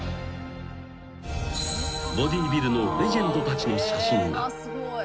［ボディビルのレジェンドたちの写真が］